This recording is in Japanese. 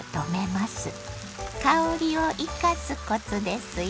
香りを生かすコツですよ。